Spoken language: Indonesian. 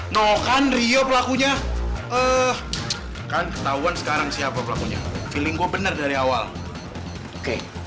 noh kan rio pelakunya eh kan ketahuan sekarang siapa pelakunya feeling gue benar dari awal oke